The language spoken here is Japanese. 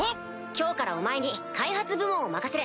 今日からお前に開発部門を任せる。